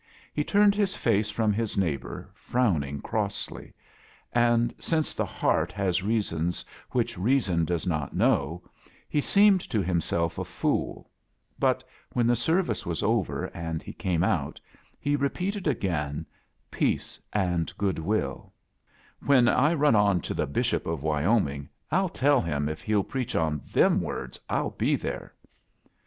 He turned his face from his neighbor, frowning crossly; and since the heart has reasons which Reason does not know, he seemed to himself a fool; btrt when the service was over and he came out, he repeated again, '"Peace and good wilL* When I run on to the Bishop of Wyoming m tell him if he'll preach on them words m be there."